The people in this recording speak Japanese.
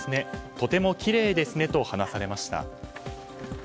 とてもきれいですねと話されました。